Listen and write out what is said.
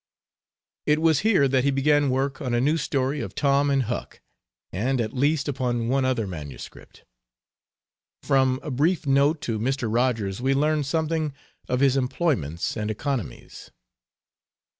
It was here that he began work on a new story of Tom and Huck, and at least upon one other manuscript. From a brief note to Mr. Rogers we learn something of his employments and economies.